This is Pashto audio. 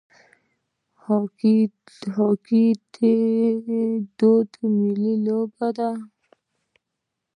هاکي د دوی ملي لوبه ده.